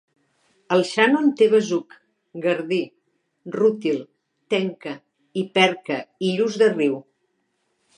El Shannon té besuc, gardí, rútil, tenca, i perca i lluç de riu.